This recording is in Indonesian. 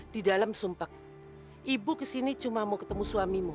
di dalam sumpah ibu kesini cuma mau ketemu suamimu